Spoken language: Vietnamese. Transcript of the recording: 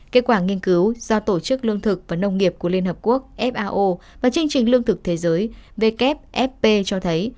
kết quả nghiên cứu do tổ chức lương thực và nông nghiệp của liên hợp quốc fao và chương trình lương thực thế giới wfp cho thấy